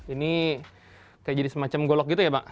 ini kayak jadi semacam golok gitu ya pak